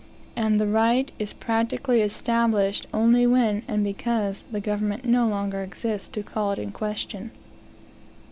And the right is practically established only when and because the government, no longer exists to call it in question.